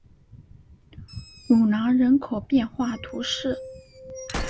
努朗人口变化图示